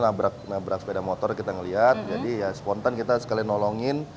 nabrak nabrak sepeda motor kita ngeliat jadi ya spontan kita sekalian nolongin